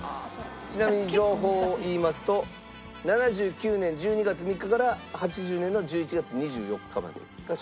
ちなみに情報を言いますと７９年１２月３日から８０年の１１月２４日までが集計されてます。